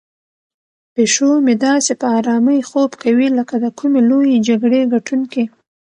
پیشو مې داسې په آرامۍ خوب کوي لکه د کومې لویې جګړې ګټونکی.